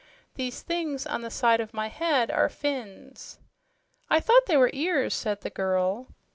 "These things on the side of my head are fins." "I thought they were ears," said the girl.